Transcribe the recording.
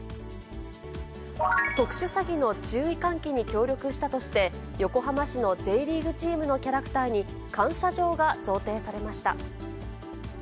特殊詐欺の注意喚起に協力したとして、横浜市のＪリーグチームのキャラクターに感謝状が贈呈されました。